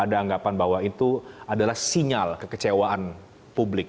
ada anggapan bahwa itu adalah sinyal kekecewaan publik